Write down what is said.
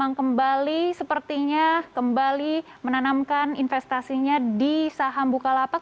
yang kembali sepertinya kembali menanamkan investasinya di saham bukalapak